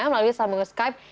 melalui salmongan skype